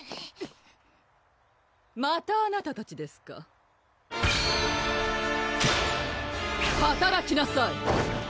またあなたたちですかはたらきなさい！